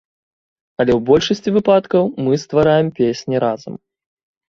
Але ў большасці выпадкаў мы ствараем песні разам.